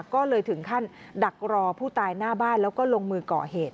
ก็เลยถึงขั้นดักรอผู้ตายหน้าบ้านแล้วก็ลงมือก่อเหตุ